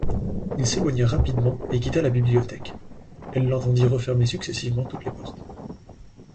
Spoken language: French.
Il s'éloigna rapidement et quitta la bibliothèque ; elle l'entendit refermer successivement toutes les portes.